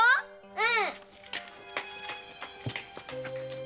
うん！